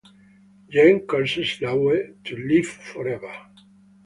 Jem curses Lawe to ‘live forever’.